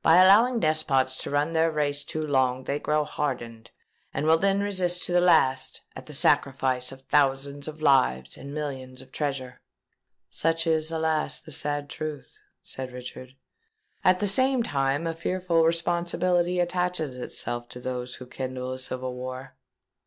By allowing despots to run their race too long, they grow hardened and will then resist to the last, at the sacrifice of thousands of lives and millions of treasure." "Such is, alas! the sad truth," said Richard. "At the same time a fearful responsibility attaches itself to those who kindle a civil war."